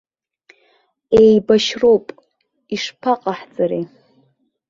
Еибашьроуп, ишԥаҟаҳҵари!